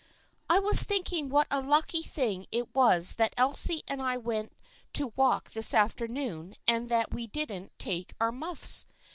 " I was thinking what a lucky thing it was that Elsie and I went to walk this afternoon, and that we didn't take our muffs.